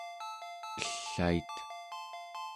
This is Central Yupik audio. ellait